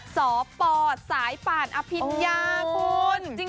สปสายป่านอภิญญาคุณ